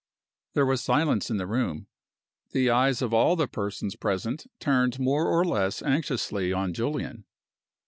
There was silence in the room. The eyes of all the persons present turned more or less anxiously on Julian.